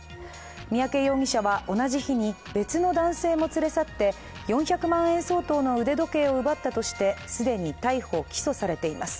三宅容疑者は同じ日に別の男性も連れ去って４００万円相当の腕時計を奪ったとして既に逮捕・起訴されています。